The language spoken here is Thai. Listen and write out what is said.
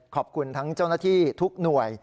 ขอบคุณทั้งเจ้าหน้าที่ทุกหน่วย